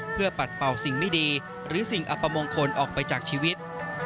เพื่อปัดเป่าสิ่งไม่ดีหรือสิ่งอัปมงคลออกไปจากชีวิต